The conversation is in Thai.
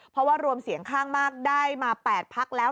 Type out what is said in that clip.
เพราะว่ารวมเสียงข้างมากได้มา๘พักแล้ว